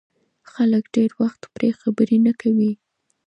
خلک ډېر وخت پرې خبرې نه کوي.